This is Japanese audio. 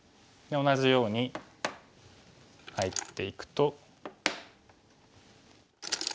で同じように入っていくと。